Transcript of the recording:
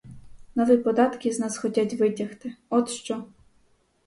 Нові податки з нас хотять витягти, от що!